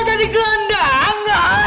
ada di gelandangan